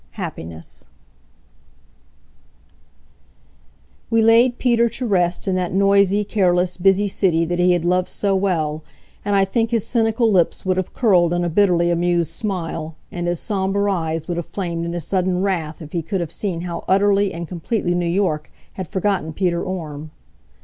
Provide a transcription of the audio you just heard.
HAPPINESS We laid Peter to rest in that noisy, careless, busy city that he had loved so well, and I think his cynical lips would have curled in a bitterly amused smile, and his somber eyes would have flamed into sudden wrath if he could have seen how utterly and completely New York had forgotten Peter Orme.